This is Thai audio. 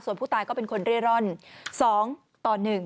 ส่วนผู้ตายก็เป็นคนเร่ร่อน๒ต่อ๑